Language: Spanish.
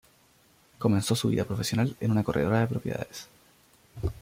Comenzó su vida profesional en una corredora de propiedades.